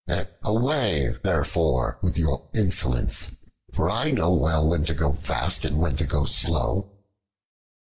Away, therefore, with your insolence, for I know well when to go fast, and when to go slow."